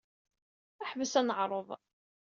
Ḥbes aneɛṛuḍ.